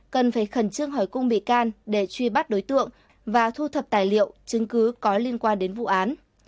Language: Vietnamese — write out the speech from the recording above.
cần phải khẩn trương hỏi cung bị can để truy bắt đối tượng và thu thập tài liệu chứng cứ có liên quan đến vụ án